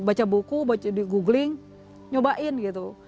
baca buku baca di googling nyobain gitu